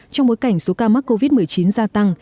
trong bối cảnh số ca mắc covid một mươi chín gia tăng